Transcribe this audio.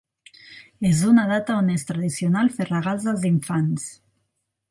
És una data on és tradicional fer regals als infants.